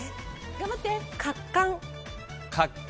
・頑張って。